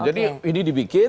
jadi ini dibikin